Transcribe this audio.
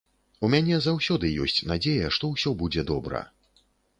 У мяне заўсёды ёсць надзея, што ўсё будзе добра.